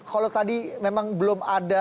kalau tadi memang belum ada